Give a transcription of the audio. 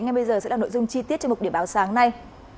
ngay bây giờ sẽ là nội dung chi tiết cho mục điểm báo sáng nay